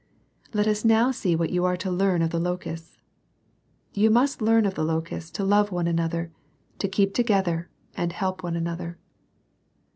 III. Let us now see what you are to learn of the locusts. You must learn of the locusts to love one another, to keep together, ^nd help one another.